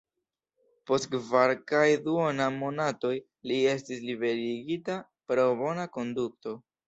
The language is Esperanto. Post kvar kaj duona monatoj li estis liberigita pro bona konduto.